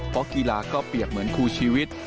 เพราะกีฬาก็เปรียบเหมือนคู่ชีวิต